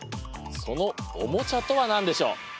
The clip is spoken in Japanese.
そのおもちゃとは何でしょう？